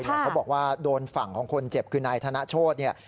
เขาบอกว่าโดนฝั่งของคนเจ็บคือนายธนโชธเนี่ย